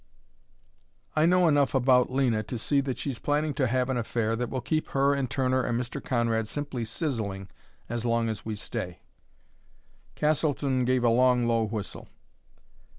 I know enough about Lena to see that she's planning to have an affair that will keep her and Turner and Mr. Conrad simply sizzling as long as we stay." Castleton gave a long, low whistle.